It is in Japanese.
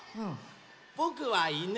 ぼくはいぬ。